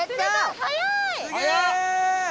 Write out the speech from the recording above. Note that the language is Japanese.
早い！